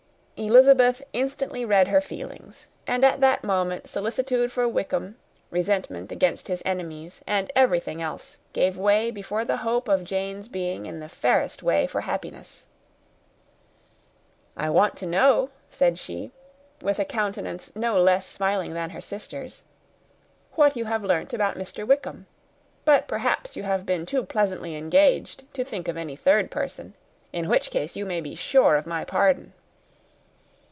Elizabeth instantly read her feelings; and, at that moment, solicitude for Wickham, resentment against his enemies, and everything else, gave way before the hope of Jane's being in the fairest way for happiness. "I want to know," said she, with a countenance no less smiling than her sister's, "what you have learnt about Mr. Wickham. But perhaps you have been too pleasantly engaged to think of any third person, in which case you may be sure of my pardon."